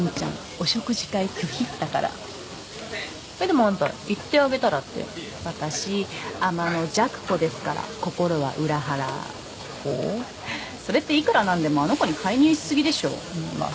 お食事会拒否ったからでもあんた行ってあげたらって私あまのじゃく子ですから心は裏腹ほうそれっていくらなんでもあの子に介入しすぎでしょまあ